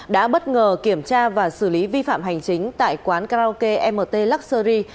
đã bất ngờ kiểm tra và xử lý vi phạm hành chính tại quán karaoke mt luxury